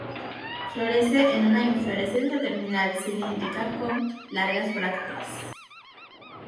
Florece en una inflorescencia terminal, cilíndrica, con largas brácteas.